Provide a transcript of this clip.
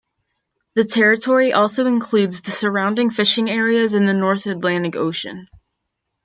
The territory also include the surrounding fishing areas in the North Atlantic Ocean.